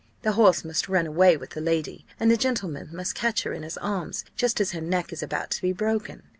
The horse must run away with the lady, and the gentleman must catch her in his arms just as her neck is about to be broken.